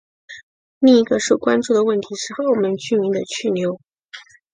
另一个受关注的问题是澳门居民的去留。